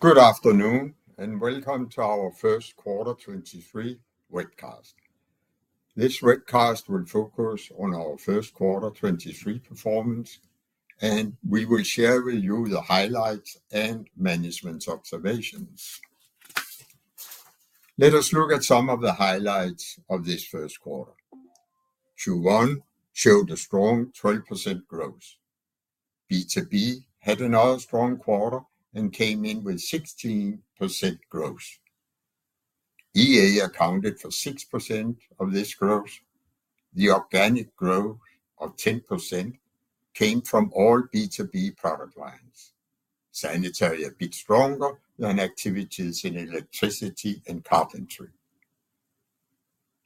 Good afternoon, and welcome to our First Quarter 23 Webcast. This webcast will focus on our first quarter 23 performance, and we will share with you the highlights and management's observations. Let us look at some of the highlights of this first quarter. Q1 showed a strong 12% growth. B2B had another strong quarter and came in with 16% growth. EA accounted for 6% of this growth. The organic growth of 10% came from all B2B product lines. Sanitary a bit stronger than activities in electricity and carpentry.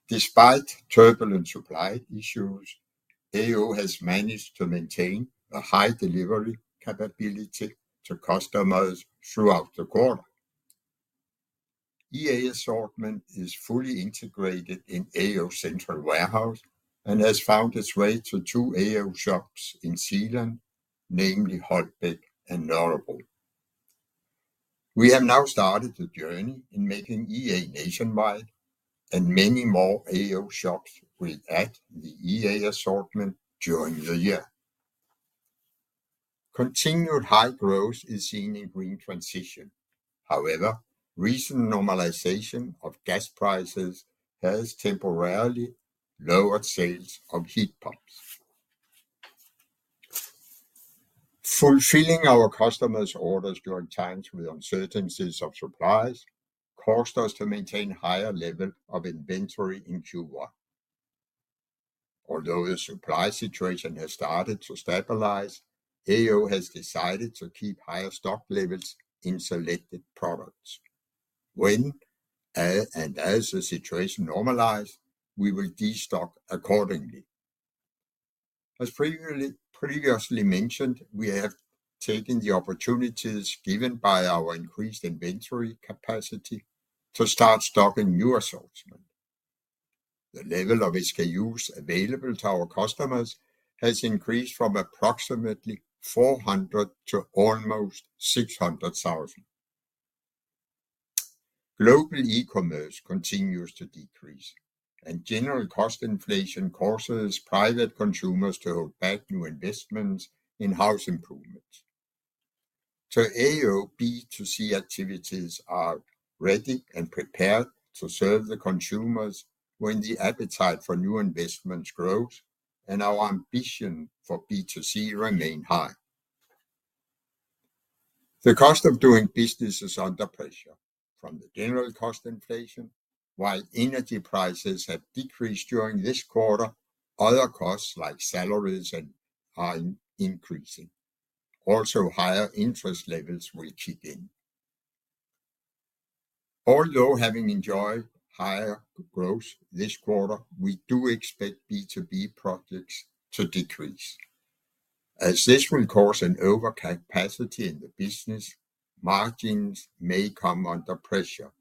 Despite turbulent supply issues, AO has managed to maintain a high delivery capability to customers throughout the quarter. EA assortment is fully integrated in AO central warehouse and has found its way to two AO shops in Zealand, namely Holbæk and Nørrebro. We have now started the journey in making EA nationwide, and many more AO shops will add the EA assortment during the year. Continued high growth is seen in green transition. However, recent normalization of gas prices has temporarily lowered sales of heat pumps. Fulfilling our customers' orders during times with uncertainties of supplies caused us to maintain higher level of inventory in Q1. Although the supply situation has started to stabilize, AO has decided to keep higher stock levels in selected products. When as the situation normalize, we will de-stock accordingly. As previously mentioned, we have taken the opportunities given by our increased inventory capacity to start stocking new assortment. The level of SKUs available to our customers has increased from approximately 400 to almost 600,000. Global e-commerce continues to decrease, and general cost inflation causes private consumers to hold back new investments in house improvements. To AO, B2C activities are ready and prepared to serve the consumers when the appetite for new investments grows, and our ambition for B2C remain high. The cost of doing business is under pressure from the general cost inflation while energy prices have decreased during this quarter, other costs like salaries and are increasing. Also, higher interest levels will kick in. Although having enjoyed higher growth this quarter, we do expect B2B projects to decrease. As this will cause an overcapacity in the business, margins may come under pressure.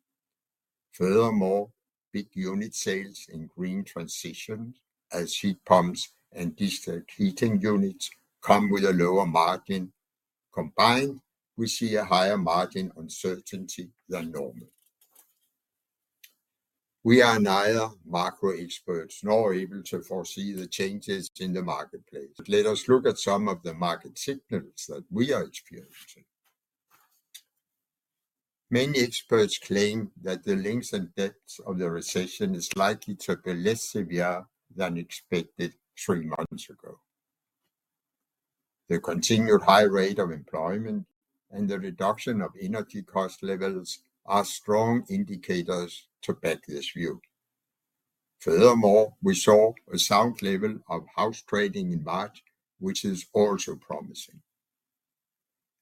Furthermore, big unit sales in green transitions as heat pumps and district heating units come with a lower margin. Combined, we see a higher margin uncertainty than normal. We are neither macro experts nor able to foresee the changes in the marketplace. Let us look at some of the market signals that we are experiencing. Many experts claim that the length and depth of the recession is likely to be less severe than expected three months ago. The continued high rate of employment and the reduction of energy cost levels are strong indicators to back this view. We saw a sound level of house trading in March, which is also promising.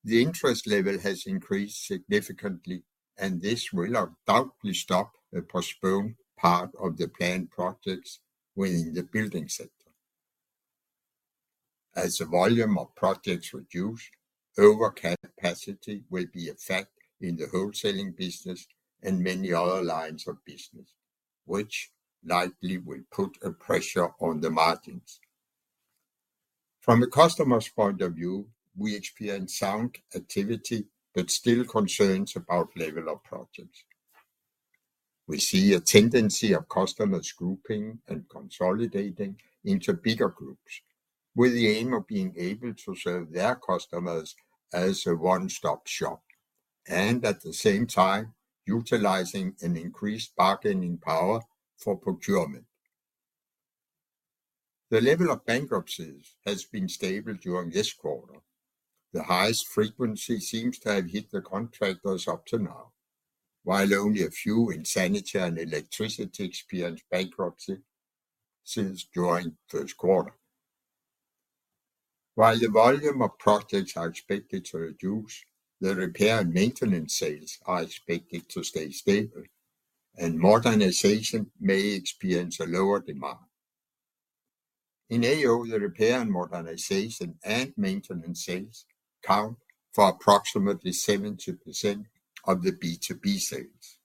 The interest level has increased significantly. This will undoubtedly stop or postpone part of the planned projects within the building sector. As the volume of projects reduce, overcapacity will be a fact in the wholesaling business and many other lines of business, which likely will put a pressure on the margins. From a customer's point of view, we experience sound activity but still concerns about level of projects. We see a tendency of customers grouping and consolidating into bigger groups with the aim of being able to serve their customers as a one-stop shop, and at the same time, utilizing an increased bargaining power for procurement. The level of bankruptcies has been stable during this quarter. The highest frequency seems to have hit the contractors up to now, while only a few in sanitary and electricity experienced bankruptcy since during first quarter. While the volume of projects are expected to reduce, the repair and maintenance sales are expected to stay stable, and modernization may experience a lower demand. In AO, the repair and modernization and maintenance sales count for approximately 70% of the B2B sales.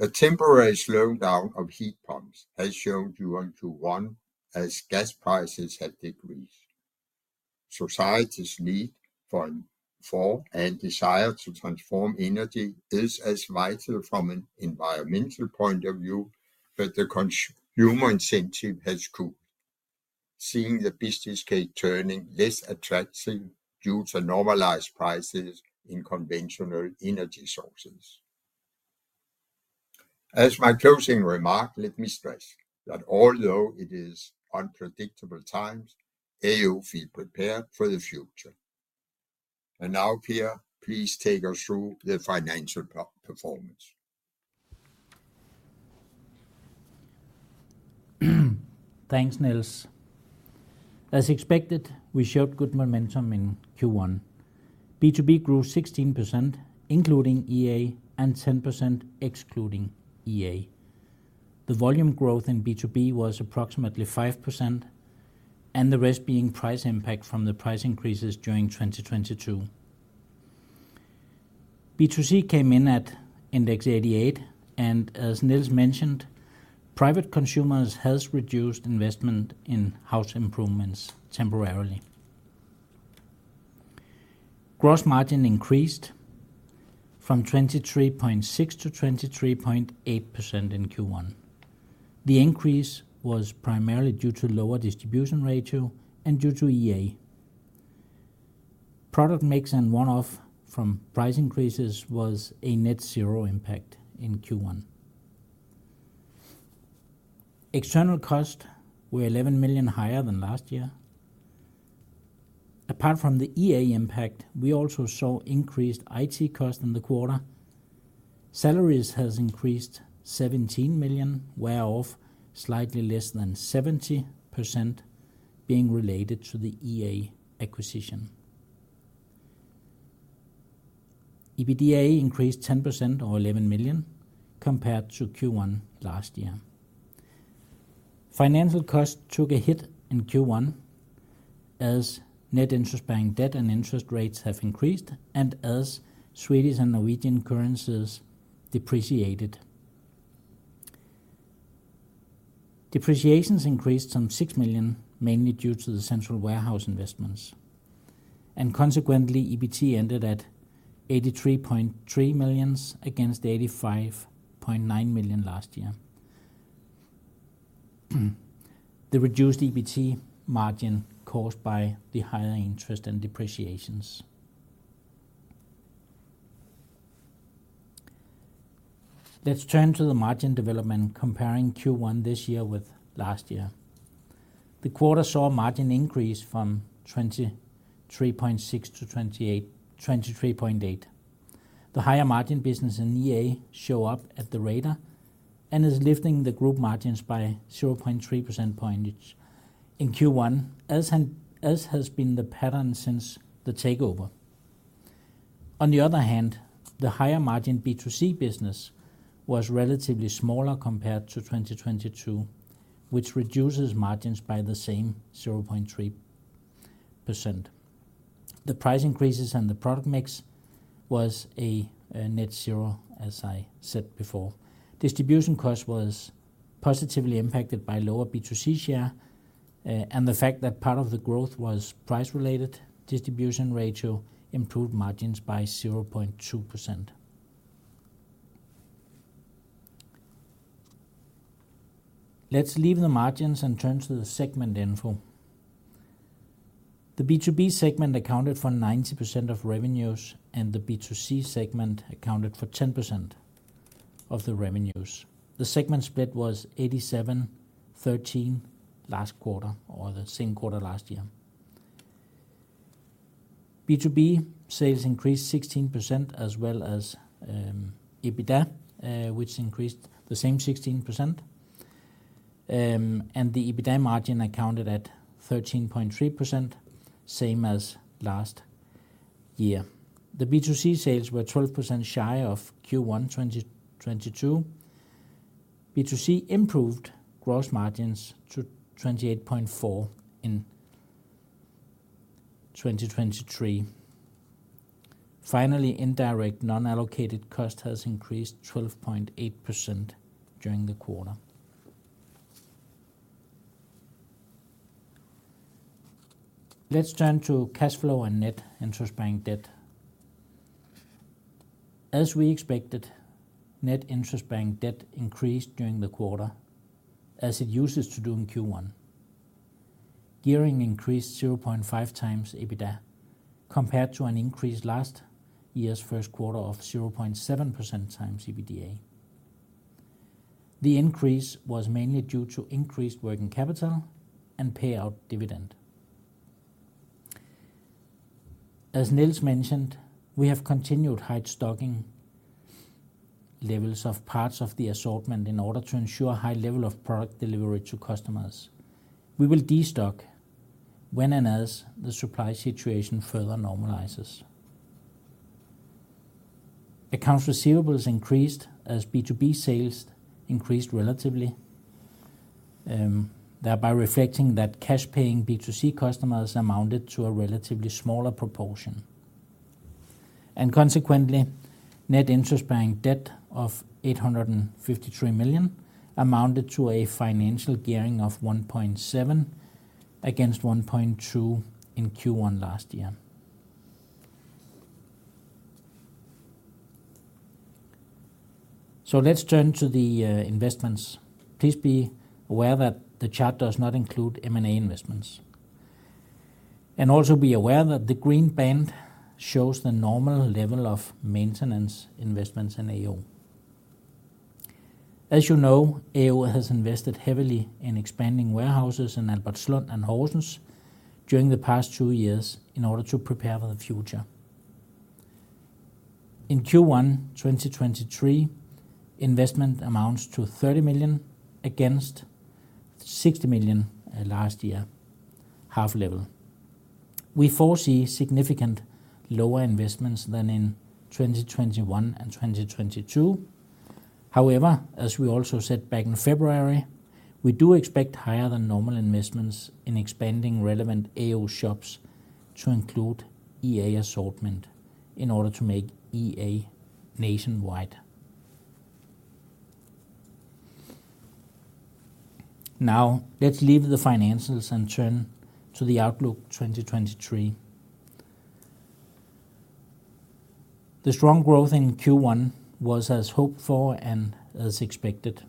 A temporary slowdown of heat pumps has shown during Q1 as gas prices have decreased. Society's need for and desire to transform energy is as vital from an environmental point of view that the human incentive has cooled, seeing the business case turning less attractive due to normalized prices in conventional energy sources. As my closing remark, let me stress that although it is unpredictable times, AO feel prepared for the future. Now, Per, please take us through the financial performance. Thanks, Niels. As expected, we showed good momentum in Q1. B2B grew 16%, including EA, and 10% excluding EA. The volume growth in B2B was approximately 5%, and the rest being price impact from the price increases during 2022. B2C came in at index 88, and as Niels mentioned, private consumers has reduced investment in house improvements temporarily. Gross margin increased from 23.6%-23.8% in Q1. The increase was primarily due to lower distribution ratio and due to EA. Product mix and one-off from price increases was a net zero impact in Q1. External costs were 11 million higher than last year. Apart from the EA impact, we also saw increased IT cost in the quarter. Salaries has increased 17 million, whereof slightly less than 70% being related to the EA acquisition. EBITDA increased 10% or 11 million compared to Q1 last year. Financial cost took a hit in Q1 as net interest-bearing debt and interest rates have increased and as Swedish and Norwegian currencies depreciated. Depreciations increased some 6 million, mainly due to the central warehouse investments. Consequently, EBT ended at 83.3 million against 85.9 million last year. The reduced EBT margin caused by the higher interest and depreciations. Let's turn to the margin development comparing Q1 this year with last year. The quarter saw margin increase from 23.6%-23.8%. The higher margin business in EA shows up at the radar and is lifting the group margins by 0.3 percentage points in Q1 as has been the pattern since the takeover. On the other hand, the higher margin B2C business was relatively smaller compared to 2022, which reduces margins by the same 0.3%. The price increases and the product mix was a net zero, as I said before. Distribution cost was positively impacted by lower B2C share and the fact that part of the growth was price-related. Distribution ratio improved margins by 0.2%. Let's leave the margins and turn to the segment info. The B2B segment accounted for 90% of revenues, and the B2C segment accounted for 10% of the revenues. The segment split was 87, 13 last quarter or the same quarter last year. B2B sales increased 16% as well as EBITDA, which increased the same 16%, and the EBITDA margin accounted at 13.3%, same as last year. The B2C sales were 12% shy of Q1 2022. B2C improved gross margins to 28.4% in 2023. Finally, indirect non-allocated cost has increased 12.8% during the quarter. Let's turn to cash flow and net interest bearing debt. As we expected, net interest bearing debt increased during the quarter, as it uses to do in Q1. Gearing increased 0.5x EBITDA, compared to an increase last year's first quarter of 0.7%x EBITDA. The increase was mainly due to increased working capital and payout dividend. As Niels mentioned, we have continued high stocking levels of parts of the assortment in order to ensure high level of product delivery to customers. We will destock when and as the supply situation further normalizes. Accounts receivables increased as B2B sales increased relatively, thereby reflecting that cash paying B2C customers amounted to a relatively smaller proportion. Consequently, net interest-bearing debt of 853 million amounted to a financial gearing of 1.7 against 1.2 in Q1 last year. Let's turn to the investments. Please be aware that the chart does not include M&A investments. Also be aware that the green band shows the normal level of maintenance investments in AO. As you know, AO has invested heavily in expanding warehouses in Albertslund and Horsens during the past two years in order to prepare for the future. In Q1 2023, investment amounts to 30 million against 60 million last year, half level. We foresee significant lower investments than in 2021 and 2022. However, as we also said back in February, we do expect higher than normal investments in expanding relevant AO shops to include EA assortment in order to make EA nationwide. Now, let's leave the financials and turn to the outlook 2023. The strong growth in Q1 was as hoped for and as expected.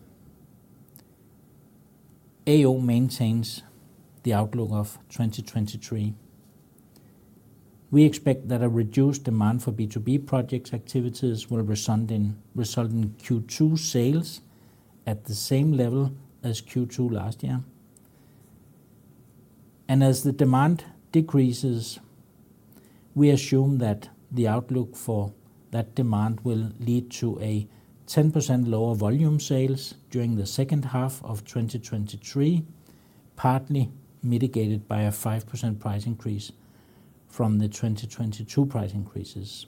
AO maintains the outlook of 2023. We expect that a reduced demand for B2B projects activities will result in Q2 sales at the same level as Q2 last year. As the demand decreases, we assume that the outlook for that demand will lead to a 10% lower volume sales during the second half of 2023, partly mitigated by a 5% price increase from the 2022 price increases.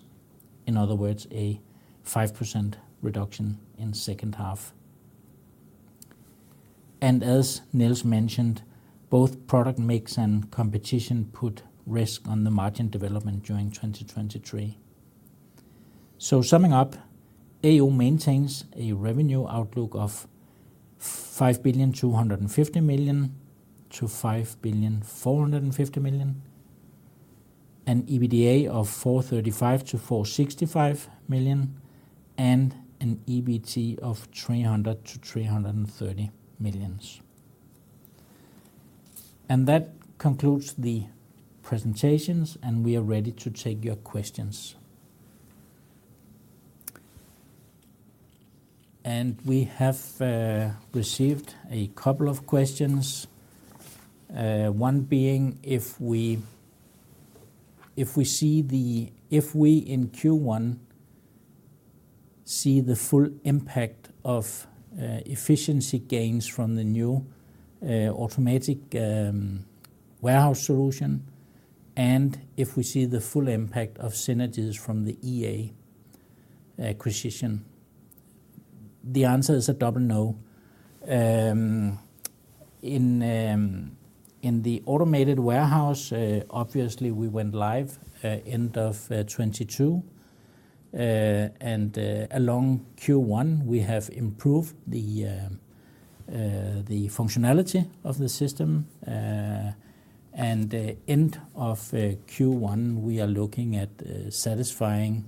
In other words, a 5% reduction in second half. As Niels mentioned, both product mix and competition put risk on the margin development during 2023. Summing up, AO maintains a revenue outlook of 5.25 billion-5.45 billion, an EBITDA of 435 million-465 million, and an EBT of 300 million-330 million. That concludes the presentations, and we are ready to take your questions. We have received a couple of questions. One being if we, in Q1, see the full impact of efficiency gains from the new automatic warehouse solution, and if we see the full impact of synergies from the EA acquisition. The answer is a double no. In the automated warehouse, obviously we went live end of 2022. Along Q1, we have improved the functionality of the system. At the end of Q1, we are looking at satisfying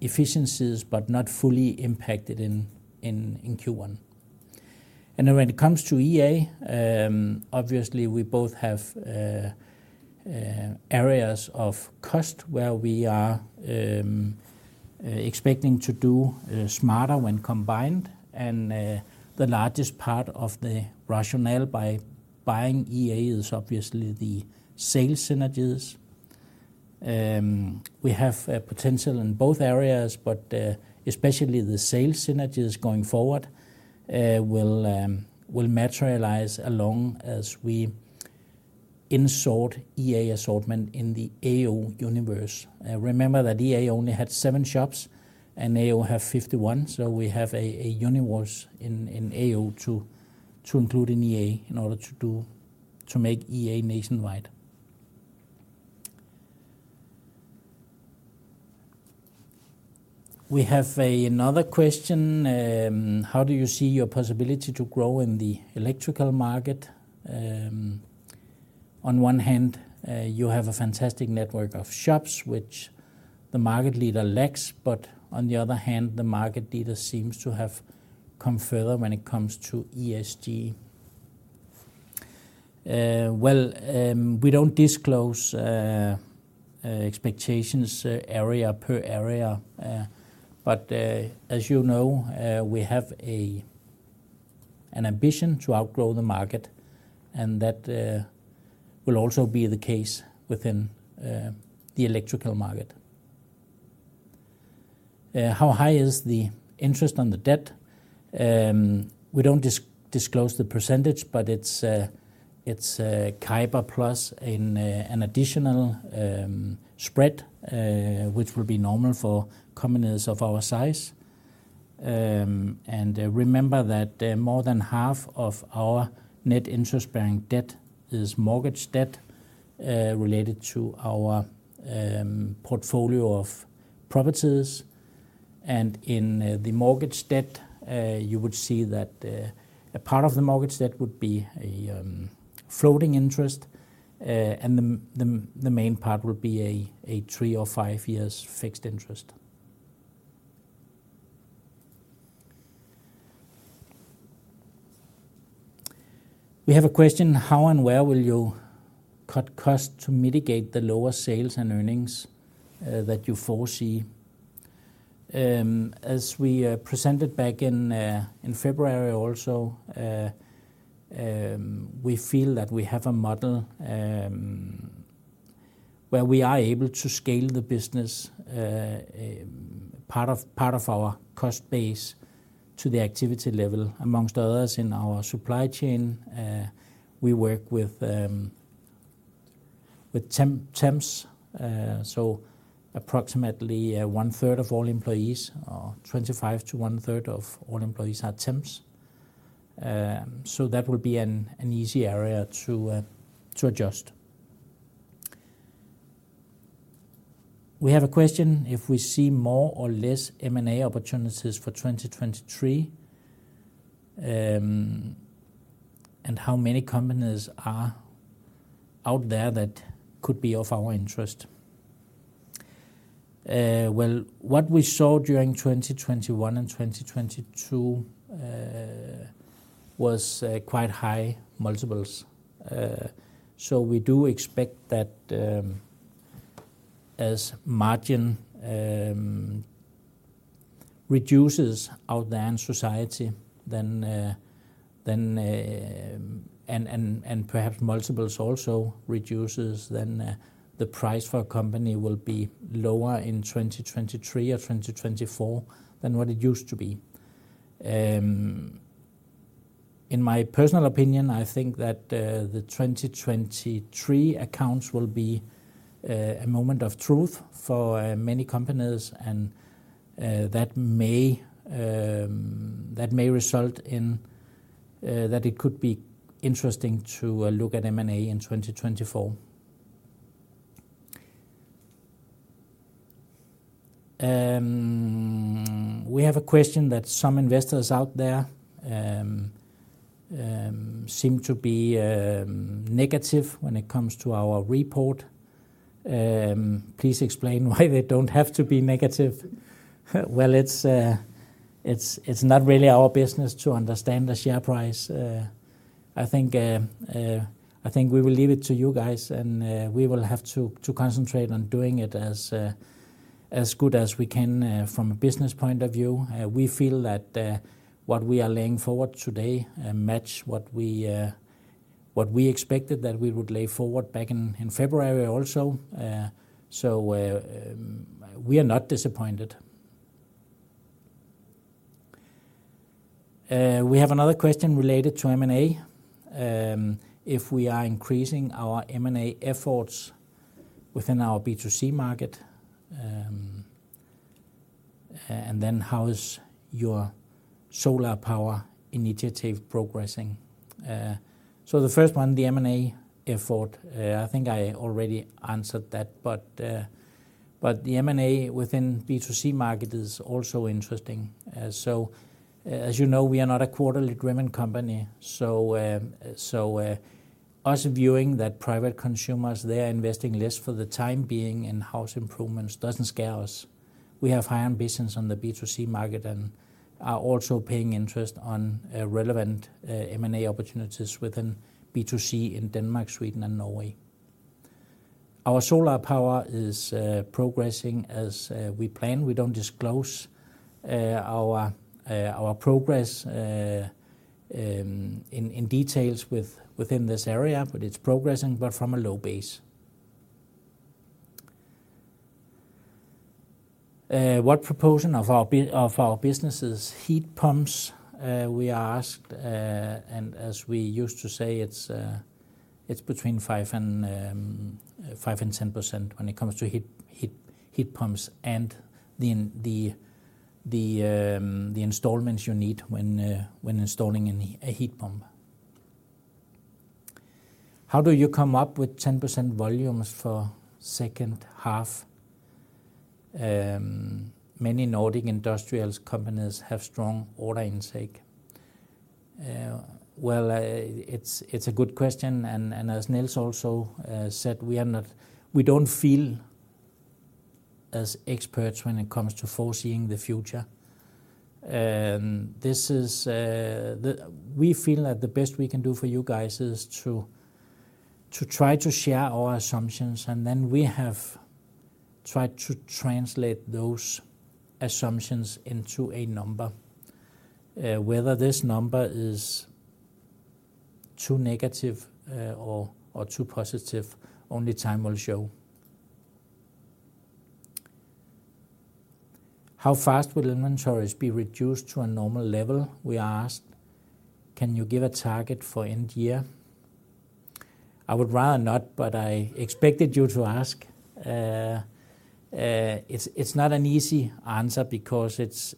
efficiencies but not fully impacted in Q1. When it comes to EA, obviously we both have areas of cost where we are expecting to do smarter when combined. The largest part of the rationale by buying EA is obviously the sales synergies. We have a potential in both areas, but especially the sales synergies going forward will materialize along as we insort EA assortment in the AO universe. Remember that EA only had seven shops and AO have 51, we have a universe in AO to include an EA in order to make EA nationwide. We have another question, how do you see your possibility to grow in the electrical market? On one hand, you have a fantastic network of shops which the market leader lacks, on the other hand, the market leader seems to have come further when it comes to ESG. Well, we don't disclose expectations area per area. As you know, we have an ambition to outgrow the market, that will also be the case within the electrical market. How high is the interest on the debt? We don't disclose the percentage, but It's CIBOR plus an additional spread, which will be normal for companies of our size. Remember that more than half of our net interest-bearing debt is mortgage debt related to our portfolio of properties. In the mortgage debt, you would see that a part of the mortgage debt would be a floating interest, and the main part would be a three or five years fixed interest. We have a question, how and where will you cut costs to mitigate the lower sales and earnings that you foresee? As we presented back in February also, we feel that we have a model where we are able to scale the business part of our cost base to the activity level. Amongst others in our supply chain, we work with temps. So approximately, 1/3 of all employees or 25 to 1/3 of all employees are temps. So that would be an easy area to adjust. We have a question, if we see more or less M&A opportunities for 2023, and how many companies are out there that could be of our interest? Well, what we saw during 2021 and 2022 was quite high multiples. We do expect that, as margin reduces out there in society, perhaps multiples also reduces, the price for a company will be lower in 2023 or 2024 than what it used to be. In my personal opinion, I think that the 2023 accounts will be a moment of truth for many companies, that may result in that it could be interesting to look at M&A in 2024. We have a question that some investors out there seem to be negative when it comes to our report. Please explain why they don't have to be negative. It's not really our business to understand the share price. I think we will leave it to you guys, and we will have to concentrate on doing it as good as we can from a business point of view. We feel that what we are laying forward today match what we expected that we would lay forward back in February also. We are not disappointed. We have another question related to M&A. If we are increasing our M&A efforts within our B2C market, and then how is your solar power initiative progressing? The first one, the M&A effort, I think I already answered that. The M&A within B2C market is also interesting. As you know, we are not a quarterly driven company. Us viewing that private consumers, they are investing less for the time being in house improvements doesn't scare us. We have high ambitions on the B2C market and are also paying interest on relevant M&A opportunities within B2C in Denmark, Sweden, and Norway. Our solar power is progressing as we plan. We don't disclose our, our progress in details within this area, but it's progressing, but from a low base. What proportion of our of our business is heat pumps? We are asked, and as we used to say, it's between 5% and 10% when it comes to heat pumps and the installments you need when installing a heat pump. How do you come up with 10% volumes for second half? Many Nordic industrials companies have strong order intake. Well, it's a good question, and as Niels also said, we don't feel as experts when it comes to foreseeing the future. We feel that the best we can do for you guys is to try to share our assumptions, we have tried to translate those assumptions into a number. Whether this number is too negative or too positive, only time will show. How fast will inventories be reduced to a normal level? We are asked. Can you give a target for end year? I would rather not, I expected you to ask. It's not an easy answer because it's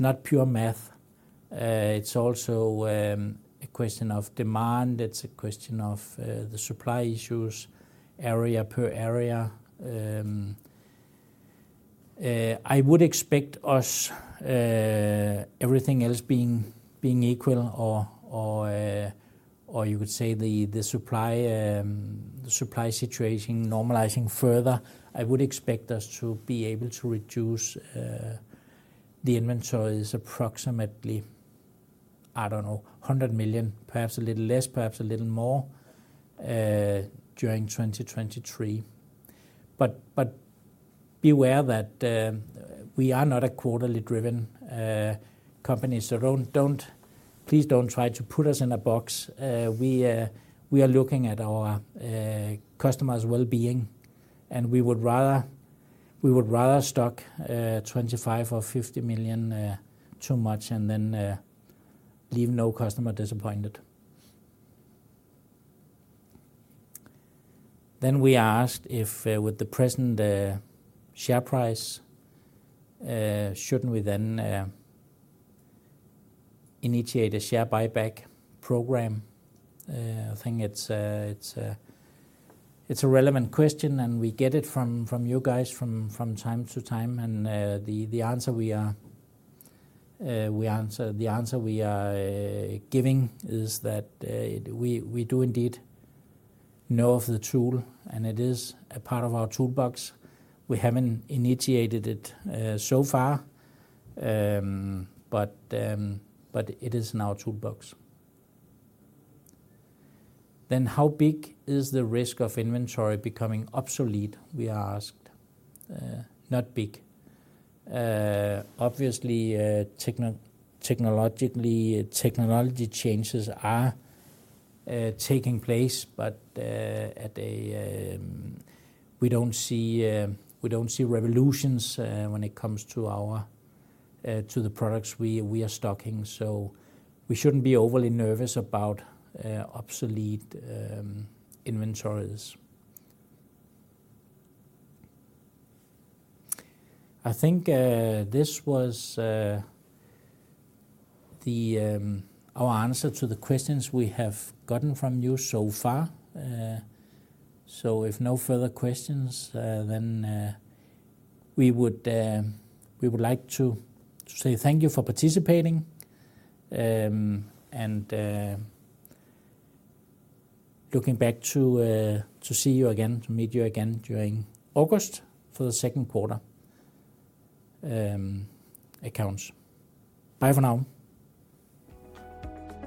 not pure math. It's also a question of demand. It's a question of the supply issues area per area. I would expect us, everything else being equal or you could say the supply situation normalizing further. I would expect us to be able to reduce the inventories approximately, I don't know, 100 million, perhaps a little less, perhaps a little more during 2023. Beware that we are not a quarterly-driven company. Don't, please don't try to put us in a box. We are looking at our customers' well-being, and we would rather stock 25 million or 50 million too much and then leave no customer disappointed. We are asked if, with the present share price, shouldn't we then initiate a share buyback program? I think it's a relevant question, and we get it from you guys from time to time. The answer we are giving is that we do indeed know of the tool, and it is a part of our toolbox. We haven't initiated it so far. It is in our toolbox. How big is the risk of inventory becoming obsolete, we are asked? Not big. Obviously, technologically, technology changes are taking place. We don't see revolutions when it comes to our, to the products, we are stocking. We shouldn't be overly nervous about obsolete inventories. I think, this was the, our answer to the questions we have gotten from you so far. If no further questions, then we would like to say thank you for participating. Looking back to see you again, to meet you again during August for the second quarter accounts. Bye for now.